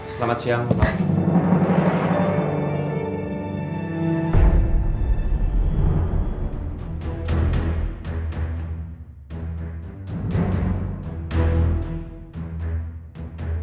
selamat siang pak